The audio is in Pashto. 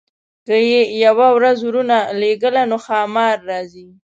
که یې یوه ورځ ورونه لېږله نو ښامار راځي.